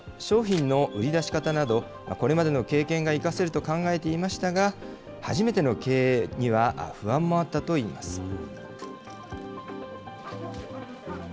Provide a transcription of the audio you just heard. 商品の売り出し方など、これまでの経験が生かせると考えていましたが、初めての経営には不安もあったといいます。